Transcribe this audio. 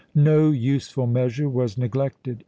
No useful measure was neglected.